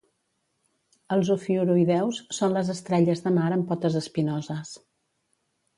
Els ofiuroïdeus són les estrelles de mar amb potes espinoses